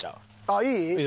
あっいい？